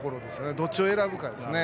どっちを選ぶかですね。